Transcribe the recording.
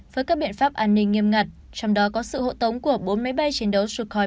với các biện pháp an ninh nghiêm ngặt trong đó có sự hộ tống của bốn máy bay chiến đấu sukhoi ba mươi năm